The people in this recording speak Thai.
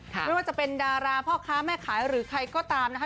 ไม่ว่าจะเป็นดาราพ่อค้าแม่ขายหรือใครก็ตามนะคะ